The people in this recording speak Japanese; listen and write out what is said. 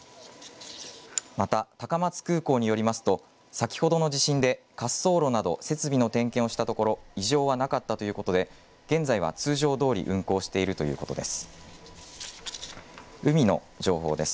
また高松空港によりますと先ほどの地震で滑走路など設備の点検をしたところ、異常はなかったということで現在は通常どおり運航しているということです。